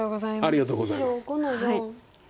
ありがとうございます。